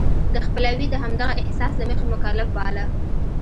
د خپلوی د همدغه احساس له مخې مکلف باله.